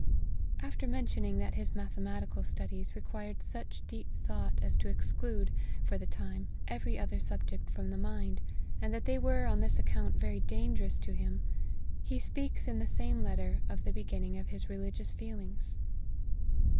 After mentioning that his mathematical studies required such deep thought as to exclude, for the time, every other subject from the mind, and that they were, on this account, very dangerous to him, he speaks in the same letter of the beginning of his religious feelings.